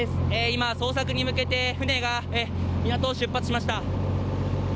今、捜索に向けて、船が港を出発しました。